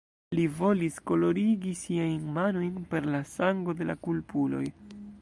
Li volis kolorigi siajn manojn per la sango de la kulpuloj.